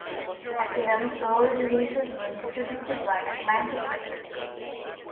Asylum's early releases were distributed by Atlantic Records.